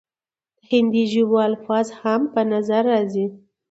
د هندي ژبو الفاظ هم پۀ نظر راځي،